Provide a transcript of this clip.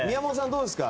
どうですか？